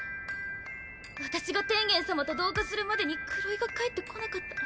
私が天元様と同化するまでに黒井が帰って来なかったら。